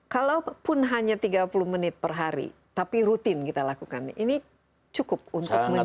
kalaupun hanya tiga puluh menit per hari tapi rutin kita lakukan ini cukup untuk mencari